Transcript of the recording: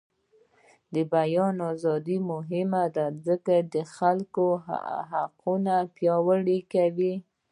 د بیان ازادي مهمه ده ځکه چې د خلکو حقونه پیاوړي کوي.